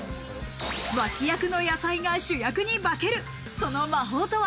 脇役の野菜が主役に化ける、その魔法とは？